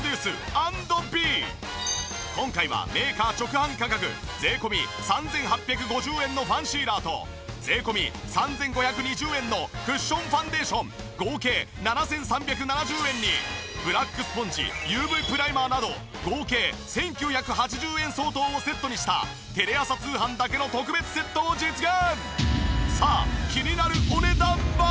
今回はメーカー直販価格税込３８５０円のファンシーラーと税込３５２０円のクッションファンデーション合計７３７０円にブラックスポンジＵＶプライマーなど合計１９８０円相当をセットにしたテレ朝通販だけの特別セットを実現！